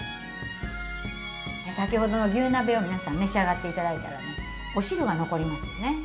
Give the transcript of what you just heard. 先ほどの牛鍋を皆さん召し上がっていただいたらお汁が残りますよね。